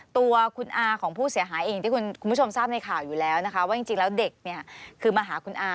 ตัวคุณอาของผู้เสียหายเองที่คุณผู้ชมทราบในข่าวอยู่แล้วนะคะว่าจริงแล้วเด็กเนี่ยคือมาหาคุณอา